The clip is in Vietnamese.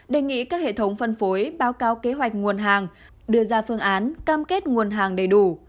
đề nghị các hệ thống phân phối báo cáo kế hoạch nguồn hàng đưa ra phương án cam kết nguồn hàng đầy đủ